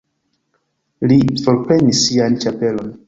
Li forprenis sian ĉapelon.